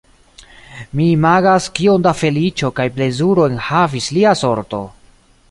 Mi imagas, kiom da feliĉo kaj plezuro enhavis lia sorto!